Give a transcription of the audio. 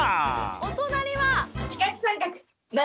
お隣は。